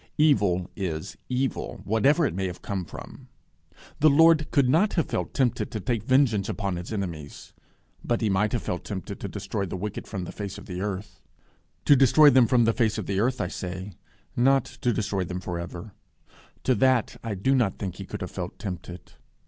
Evil is evil whatever it may have come from. The Lord could not have felt tempted to take vengeance upon his enemies, but he might have felt tempted to destroy the wicked from the face of the earth to destroy them from the face of the earth, I say, not to destroy them for ever. To that I do not think he could have felt tempted.